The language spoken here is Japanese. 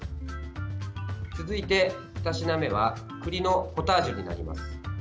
続いて、２品目は栗のポタージュです。